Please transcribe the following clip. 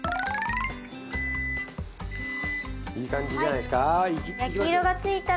いい感じじゃないですかいきますよ。